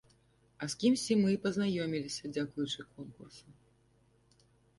А з кімсьці мы і пазнаёміліся дзякуючы конкурсу.